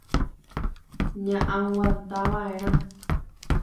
ña'aguantava'erã